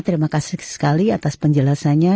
terima kasih sekali atas penjelasannya